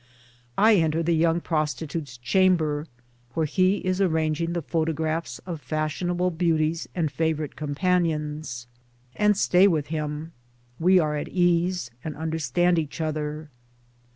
I enter the young prostitute's chamber, where he is 68 Towards Democracy arranging the photographs of fashionable beauties and favorite companions, and stay with him ; we are at ease and under stand each other.